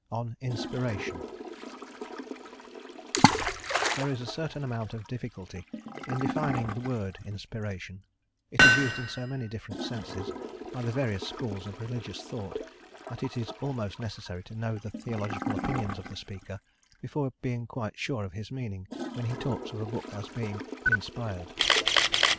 ON INSPIRATION THERE is a certain amount of difficulty in defining the word Inspiration: it is used in so many different senses by the various schools of religious thought, that it is almost necessary to know the theological opinions of the speaker before being quite sure of his meaning when he talks of a book as being inspired.